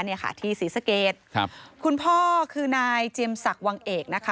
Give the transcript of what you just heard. เนี่ยค่ะที่ศรีสเกตครับคุณพ่อคือนายเจียมศักดิ์วังเอกนะคะ